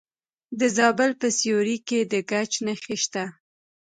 د زابل په سیوري کې د ګچ نښې شته.